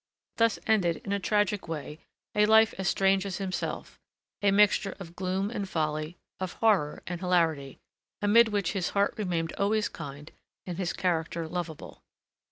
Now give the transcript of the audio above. Thus ended, in a tragic way, a life as strange as himself, a mixture of gloom and folly, of horror and hilarity, amid which his heart remained always kind and his character lovable.